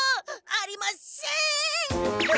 ありません！